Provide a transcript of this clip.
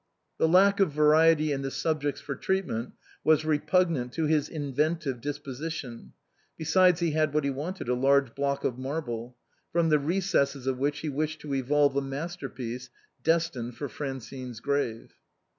The lack of variety in the subjects for treat ment was repugnant to his inventive disposition, besides he had what he wanted, a large block of marble, from the recesses of which he wished to evolve a masterpiece destined for Francine's grave.